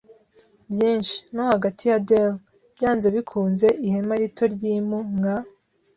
byinshi; no hagati ya dell, byanze bikunze, ihema rito ry'impu, nka